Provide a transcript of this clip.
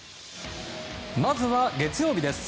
まずは月曜日です。